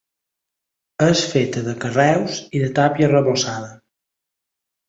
És feta de carreus i de tàpia arrebossada.